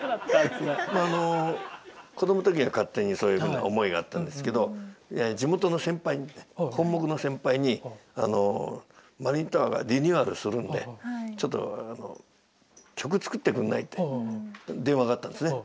子供の時は勝手にそういうふうな思いがあったんですけど地元の先輩にね本牧の先輩にマリンタワーがリニューアルするんでちょっと曲作ってくんない？って電話があったんですね。